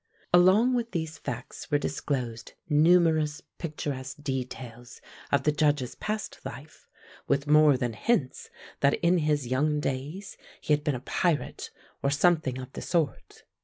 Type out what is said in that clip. Along with these facts were disclosed numerous picturesque details of the Judge's past life, with more than hints that in his young days he had been a pirate or something of the sort.